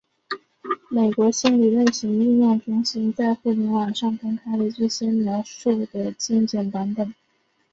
美国心理类型应用中心在互联网上公开了这些描述的精简版本。